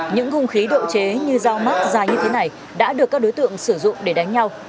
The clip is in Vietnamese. những hung khí độ chế như dao mắt dài như thế này đã được các đối tượng sử dụng để đánh nhau